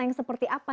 jangan anda takut